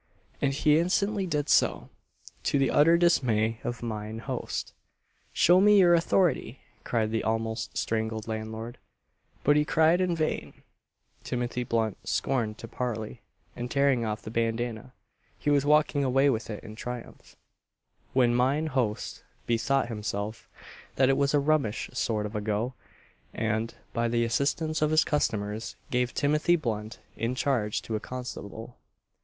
And he instantly did so to the utter dismay of mine host. "Show me your authority!" cried the almost strangled landlord; but he cried in vain Timothy Blunt scorned to parley; and tearing off the bandanna, he was walking away with it in triumph, when mine host bethought himself "that it was a rummish sort of a go;" and, by the assistance of his customers, gave Timothy Blunt in charge to a constable.